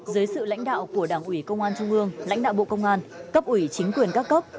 dưới sự lãnh đạo của đảng ủy công an trung ương lãnh đạo bộ công an cấp ủy chính quyền các cấp